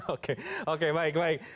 oke oke baik baik